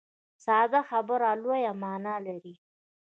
ساده خبره لویه معنا لري.